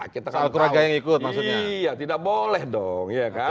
kalau keluarga yang ikut maksudnya